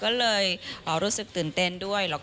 ก็เลยรู้สึกตื่นเต้นด้วย